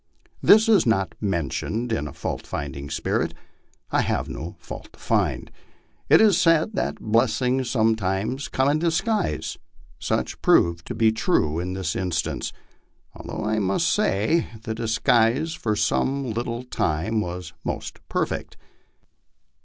This is not mentioned in a fault finding spirit. I have no fault to find. It is said that blessings sometimes come in disguise. Such proved to be true in this instance, although I must say the disguise for some little time was most perfect.